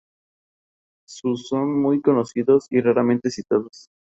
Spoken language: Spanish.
El caso está detallado en el documental "El hermano de Miguel".